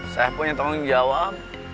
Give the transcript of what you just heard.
saya punya tanggung jawab